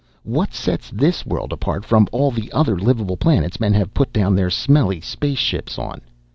What sets this world apart from all the other livable planets men have put down their smelly spaceships on?